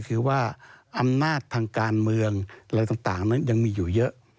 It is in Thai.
คือว่าอำนาจทางการเมืองอะไรต่างนั้นยังมีอยู่เยอะ